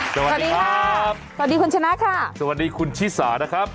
สวัสดีครับสวัสดีคุณชนะค่ะสวัสดีคุณชิสานะครับ